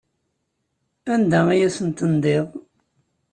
Anda ay asen-tendiḍ?